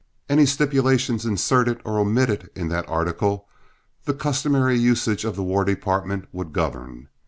Any stipulations inserted or omitted in that article, the customary usages of the War Department would govern.